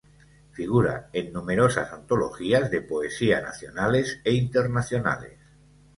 Figura en numerosas antologías de poesía nacionales e internacionales.